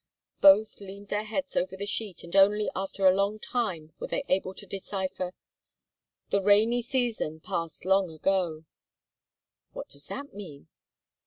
Both leaned their heads over the sheet and only after a long time were they able to decipher: "The rainy season passed long ago." "What does that mean?"